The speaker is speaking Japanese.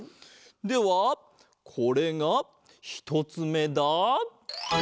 ではこれがひとつめだ。